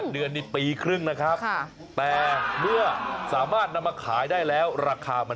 ๑๘เดือนนี่ปีครึ่งนะครับ